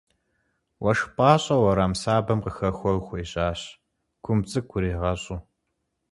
Уэшх пӏащэ уэрам сабэм къыхэхуэу хуежьащ, кумб цӏыкӏу иригъэщӏу.